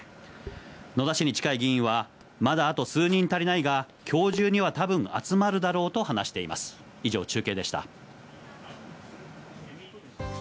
野田氏に近い議員はまだあと数人足りないが、今日中には多分、集まるだろうと話しています。